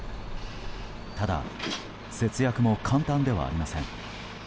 ただ、節約も簡単ではありません。